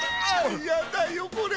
やだよこれ。